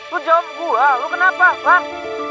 lo jawab gue lo kenapa lan